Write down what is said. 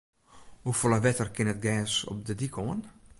Hoefolle wetter kin it gers op de dyk oan?